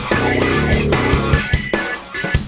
ชั่วโมง